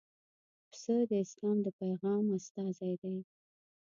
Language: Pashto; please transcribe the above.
پسه د اسلام د پیغام استازی دی.